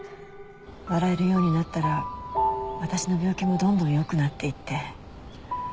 笑えるようになったら私の病気もどんどんよくなっていって。